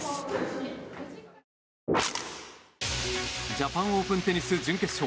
ジャパンオープンテニス準決勝。